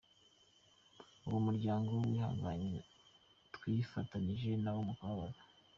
uwo muryango wihangane twifatanije nawo mu kababaro.